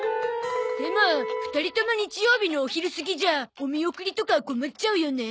でも２人とも日曜日のお昼過ぎじゃお見送りとか困っちゃうよね。